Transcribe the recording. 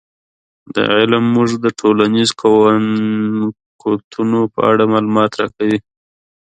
دا علم موږ ته د ټولنیزو قوتونو په اړه معلومات راکوي.